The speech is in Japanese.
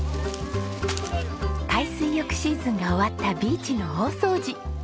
海水浴シーズンが終わったビーチの大掃除。